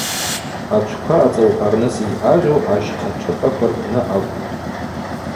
Ачвква ацӏаухӏварныс йъагъьу ащхъа шӏыпӏаква рпны акӏвпӏ.